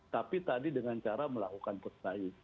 tapi tadi dengan cara melakukan put naik